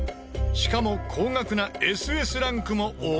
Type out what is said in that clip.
しかも高額なＳＳランクも多い。